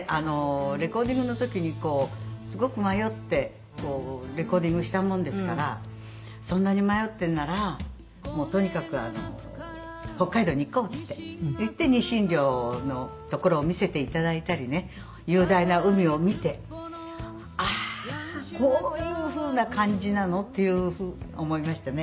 レコーディングの時にすごく迷ってレコーディングしたもんですから「そんなに迷ってるならとにかく北海道に行こう」って言ってニシン漁のところを見せて頂いたりね雄大な海を見てああーこういうふうな感じなの？っていうふうに思いましたね。